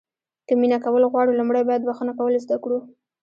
که مینه کول غواړو لومړی باید بښنه کول زده کړو.